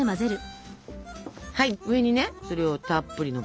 はい上にねそれをたっぷりのっけちゃって。